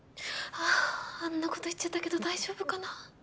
あぁあんなこと言っちゃったけど大丈夫かな。